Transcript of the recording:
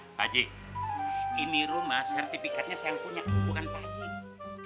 pak haji ini rumah sertifikatnya saya punya bukan pak jk